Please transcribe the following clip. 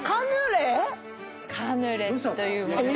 カヌレという物。